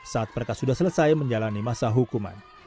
saat mereka sudah selesai menjalani masa hukuman